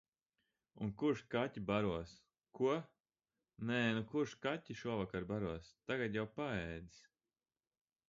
Un kurš kaķi baros? Ko? Nē nu, kurš kaķi šovakar baros, tagad jau paēdis.